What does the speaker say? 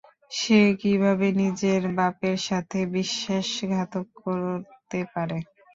সে কীভাবে নিজের বাপের সাথে বিশ্বাসঘাতক করতে পারে!